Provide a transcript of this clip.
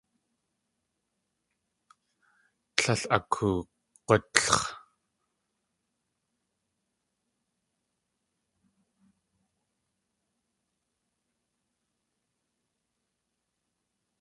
Tlél akoog̲útlx̲.